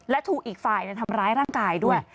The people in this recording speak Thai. และถูกอีกฝ่ายทำร้ายร่างกายด้วย